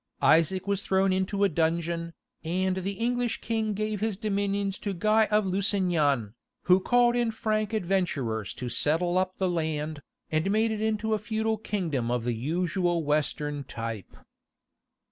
Isaac was thrown into a dungeon, and the English king gave his dominions to Guy of Lusignan, who called in Frank adventurers to settle up the land, and made it into a feudal kingdom of the usual Western type.